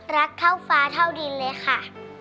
รักเท่าฟ้าเท่าดินเลยค่ะ